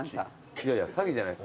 いやいや詐欺じゃないっす。